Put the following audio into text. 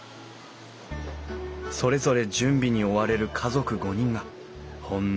それぞれ準備に追われる家族５人がほんの